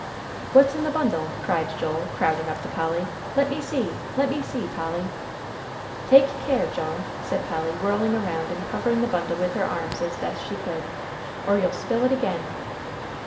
"What's in the bundle?" cried Joel, crowding up to Polly. "Let me see; let me see, Polly." "Take care, Joe," said Polly, whirling around and covering the bundle with her arms as best she could, "or you'll spill it again."